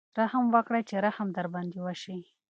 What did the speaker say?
رحم وکړئ چې رحم در باندې وشي.